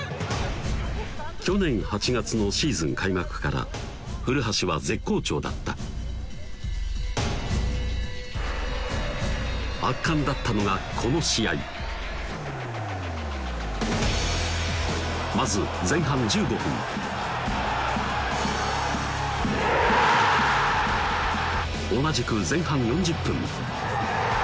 去年８月のシーズン開幕から古橋は絶好調だった圧巻だったのがこの試合まず前半１５分同じく前半４０分